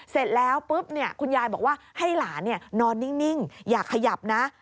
เสร็จแล้วปุ๊บคุณยายบอกว่าให้หลานนอนนิ่งอย่าขยับนะ